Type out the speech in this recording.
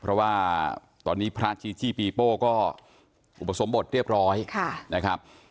เพราะว่าตอนนี้พระจีจี้ปีโป้ก็อุปสมบทเรียบร้อยนะครับ